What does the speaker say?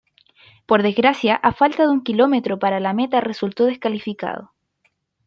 Por desgracia a falta de un kilómetro para la meta resultó descalificado.